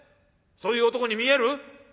そういう男に見える？